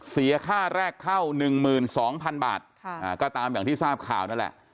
เสียค่าแรกเข้าหนึ่งหมื่นสองพันบาทค่ะอ่าก็ตามอย่างที่ทราบข่าวนั่นแหละ